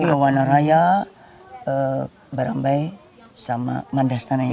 iwawana raya barambai sama mandastananya